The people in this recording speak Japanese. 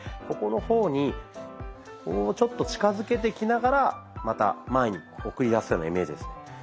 ここの方にこうちょっと近づけてきながらまた前に送り出すようなイメージですね。